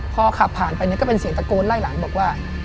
พอขับผ่านไปเนี่ยก็เป็นเสียงตะโกนไล่หลังบอกว่า